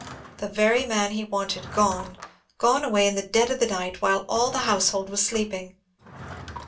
The very man he wanted gone—gone away in the dead of the night, while all the household was sleeping!